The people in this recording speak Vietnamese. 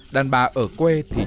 đàn bà ở quê thịt